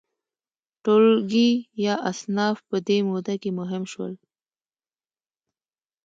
ټولګي یا اصناف په دې موده کې مهم شول.